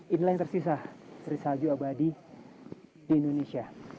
inilah yang tersisa dari salju abadi di indonesia